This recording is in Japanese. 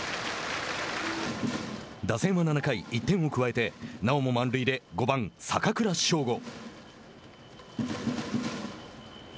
打線は７回、１点を加えてなおも満塁で５番坂倉将吾。